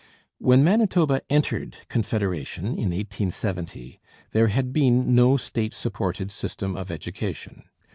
When Manitoba entered Confederation, in 1870, there had been no state supported system of education.